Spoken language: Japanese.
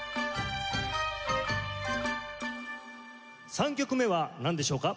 ３曲目はなんでしょうか？